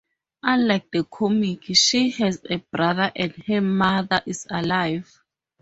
Unlike the comic, she has a brother and her mother is alive.